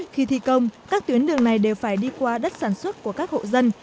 khi thi công các tuyến đường này đều phải đi qua đất sản xuất của các hộ dân